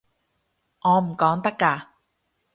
我唔講得㗎